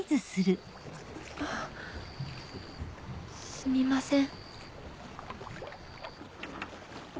すみません。